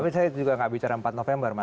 tapi saya juga nggak bicara empat november mas